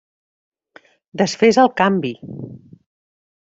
Desfés el canvi!